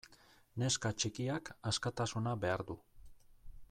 Neska txikiak askatasuna behar du.